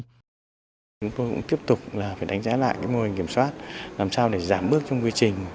chúng tôi cũng tiếp tục là phải đánh giá lại mô hình kiểm soát làm sao để giảm bước trong quy trình